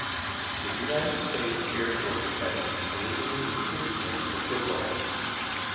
The United States Air Force Academy originally recruited him for football.